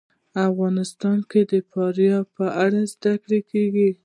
افغانستان کې د فاریاب په اړه زده کړه کېږي.